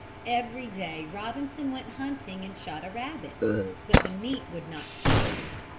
Every day Robinson went hunting and shot a rabbit, but the meat would not keep.